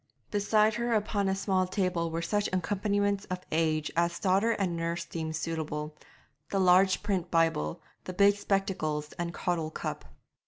Beside her upon a small table were such accompaniments of age as daughter and nurse deemed suitable the large print Bible, the big spectacles and caudle cup.